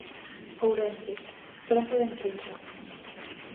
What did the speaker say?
Ourense: Praza da Imprenta.